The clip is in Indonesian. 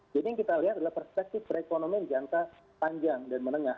jadi yang kita lihat adalah perspektif perekonomian jangka panjang dan menengah